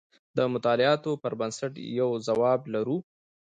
د مطالعاتو پر بنسټ یو ځواب لرو.